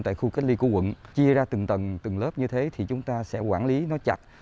tại khu cách ly của quận chia ra từng tầng từng lớp như thế thì chúng ta sẽ quản lý nó chặt